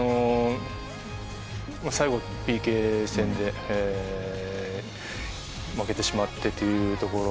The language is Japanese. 最後ＰＫ戦で負けてしまってというところ。